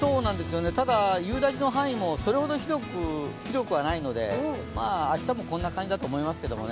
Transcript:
ただ夕立の範囲もそれほど広くはないので、明日もこんな感じだと思いますけどね。